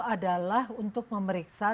adalah untuk memeriksa